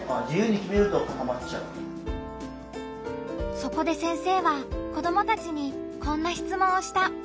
そこで先生は子どもたちにこんな質問をした。